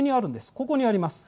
ここにあります。